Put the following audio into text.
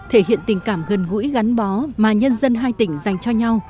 thể hiện tình cảm gần gũi gắn bó mà nhân dân hai tỉnh dành cho nhau